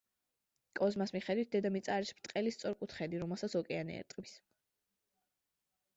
კოზმას მიხედვით, დედამიწა არის ბრტყელი სწორკუთხედი, რომელსაც ოკეანე ერტყმის.